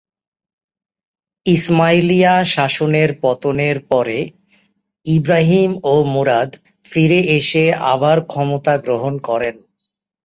ইসমাইলিয়া-শাসনের পতনের পরে ইব্রাহিম ও মুরাদ ফিরে এসে আবার ক্ষমতা গ্রহণ করেন।